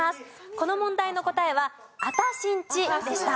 この問題の答えは『あたしンち』でした。